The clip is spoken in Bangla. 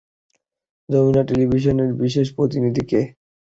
যমুনা টেলিভিশনের বিশেষ প্রতিনিধি কে?